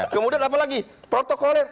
kemudian apalagi protokolnya